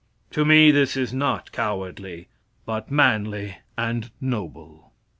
To me this is not cowardly, but manly and noble.